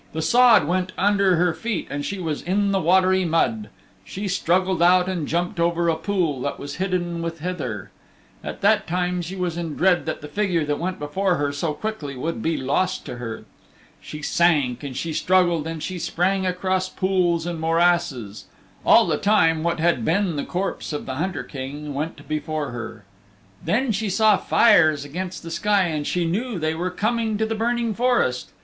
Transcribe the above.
The sod went under her feet and she was in the watery mud. She struggled out and jumped over a pool that was hidden with heather. All the time she was in dread that the figure that went before her so quickly would be lost to her. She sank and she struggled and she sprang across pools and morasses. All the time what had been the corpse of the Hunter King went before her. Then she saw fires against the sky and she knew they were coming to the Burning Forest.